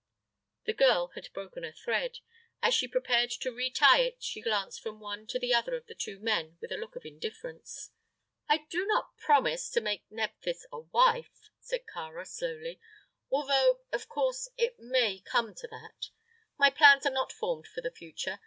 The girl had broken a thread. As she prepared to retie it, she glanced from one to the other of the two men with a look of indifference. "I do not promise to make Nephthys a wife," said Kāra, slowly, "although, of course, it may come to that. My plans are not formed for the future.